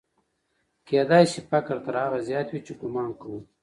کېدای سي فقر تر هغه زیات وي چې ګومان کوو.